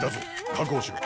確保しろ。